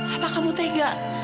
apa kamu tega